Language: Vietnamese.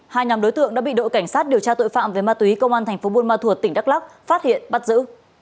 hai nhà đối tượng đã bị đội cảnh sát điều tra tội phạm về ma túy công an tp bunma thuộc tỉnh đắk lắk phát hiện bắt giữ